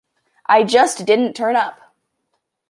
I just didn't turn up.